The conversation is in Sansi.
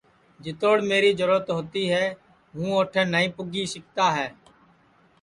جِتوڑ میری جرورت ہوتی ہے ہوں اوٹھے نائی بھی پُگی سِکتا ہے